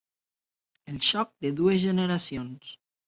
El xoc de dues generacions.